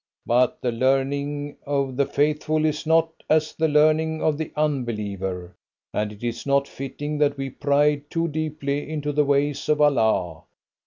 But the learning of the faithful is not as the learning of the unbeliever, and it is not fitting that we pry too deeply into the ways of Allah.